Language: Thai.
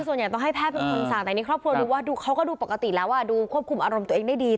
ส่วนใหญ่ต้องให้แพทย์เป็นคนสั่งแต่นี่ครอบครัวดูว่าเขาก็ดูปกติแล้วดูควบคุมอารมณ์ตัวเองได้ดี